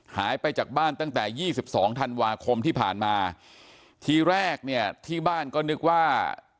หายไปจากบ้านตั้งแต่ยี่สิบสองธันวาคมที่ผ่านมาทีแรกเนี่ยที่บ้านก็นึกว่า